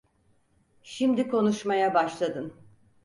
Şimdi konuşmaya başladın.